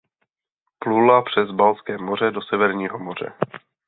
Plula přes Baltské moře do Severního moře.